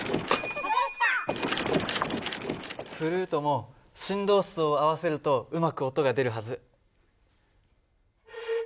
フル−トも振動数を合わせるとうまく音が出るはず。